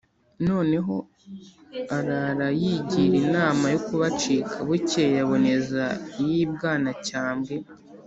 noneho arara yigira inama yo kubacika; bukeye aboneza iy'i Bwanacyambwe